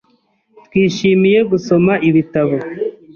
Twishimiye gusoma ibitabo .